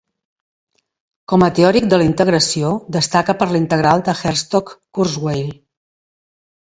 Com a teòric de la integració, destaca per la integral de Henstock-Kurzweil.